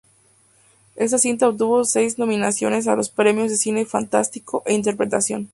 Esta cinta obtuvo seis nominaciones a los premios de cine fantástico e interpretación.